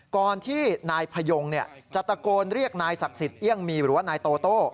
ก่อนที่นายพยงจะตะโกนเรียกนายศักดิ์สิทธิเอี่ยงมีหรือว่านายโตโต้